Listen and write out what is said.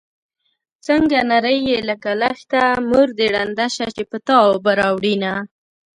څنګه نرۍ يې لکه لښته مور دې ړنده شه چې په تا اوبه راوړينه